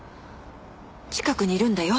近くにいるんだよ。